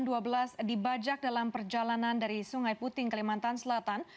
dibajak dalam perjalanan dari sungai puting kelimantan selatan